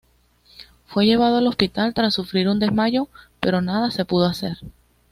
Fue llevado al hospital tras sufrir un desmayo pero nada se pudo hacer.